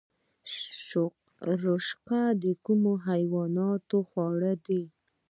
رشقه د کومو حیواناتو خواړه دي؟